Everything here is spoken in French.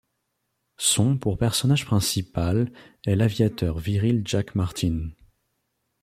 Son pour personnage principal est l'aviateur viril Jack Martin.